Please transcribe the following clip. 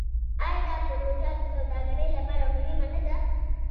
آیا دا پروژه د سوداګرۍ لپاره مهمه نه ده؟